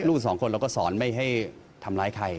ลูกสองคนเราก็สอนไม่ให้ทำร้ายใคร